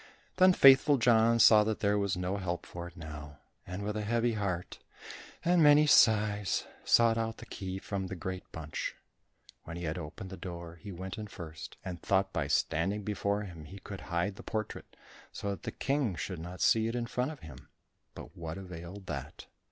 Then Faithful John saw that there was no help for it now, and with a heavy heart and many sighs, sought out the key from the great bunch. When he had opened the door, he went in first, and thought by standing before him he could hide the portrait so that the King should not see it in front of him, but what availed that?